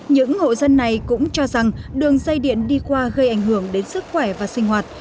những hộ dân này cũng cho rằng đường dây điện đi qua gây ảnh hưởng đến sức khỏe và sinh hoạt